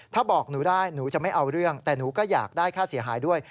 ถ้าบอกหนูได้หนูจะไม่เอาเรื่องแต่หนูก็อยากได้ค่าเสียหายด้วย